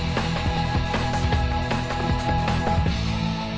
โปรดติดตามตอนต่อไป